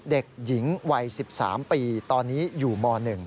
เด็กหญิงวัย๑๓ปีตอนนี้อยู่ม๑